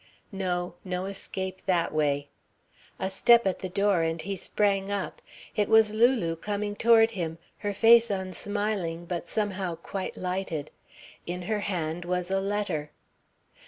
No ... no escape that way.... A step at the door and he sprang up. It was Lulu, coming toward him, her face unsmiling but somehow quite lighted. In her hand was a letter.